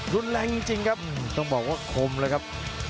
รุนแรงจริงครับต้องบอกว่าคมเลยครับ